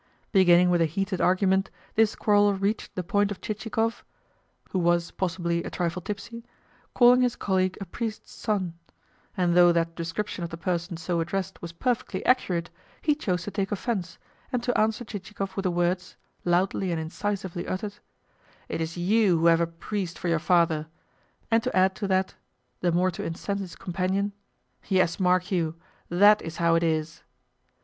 Beginning with a heated argument, this quarrel reached the point of Chichikov who was, possibly, a trifle tipsy calling his colleague a priest's son; and though that description of the person so addressed was perfectly accurate, he chose to take offence, and to answer Chichikov with the words (loudly and incisively uttered), "It is YOU who have a priest for your father," and to add to that (the more to incense his companion), "Yes, mark you! THAT is how it is."